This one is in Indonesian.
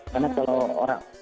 karena kalau orang